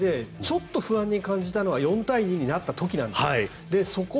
唯一この試合で不安に感じたのは４対２になった時なんです。